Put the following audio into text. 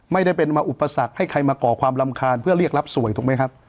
ไม่ได้เป็นมาอุปสรรคให้ใครมาก่อความรำคาญเพื่อเรียกรับสวยถูกไหมครับ